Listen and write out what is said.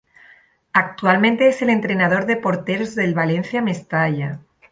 Actualmente es el entrenador de porteros del Valencia Mestalla.